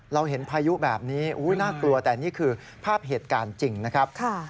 เราเห็นพายุแบบนี้น่ากลัวแต่นี่คือภาพเหตุการณ์จริงนะครับ